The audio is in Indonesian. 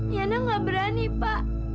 yana gak berani pak